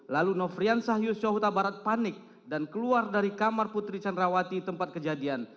lalu nofrian sahius syahuta barat panik dan keluar dari kamar putri candrawati tempat kejadian